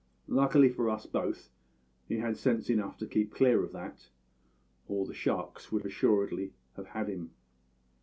Luckily for us both he had sense enough to keep clear of that, or the sharks would assuredly have had him.